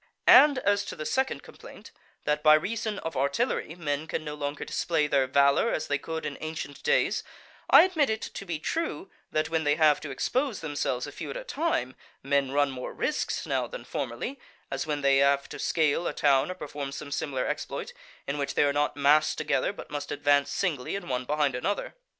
And as to the second complaint, that by reason of artillery men can no longer display their valour as they could in ancient days, I admit it to be true that when they have to expose themselves a few at a time, men run more risks now than formerly; as when they have to scale a town or perform some similar exploit, in which they are not massed together but must advance singly and one behind another.